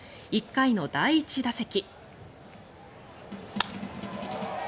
４回の第２打席。